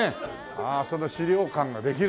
ああその資料館ができるという事で。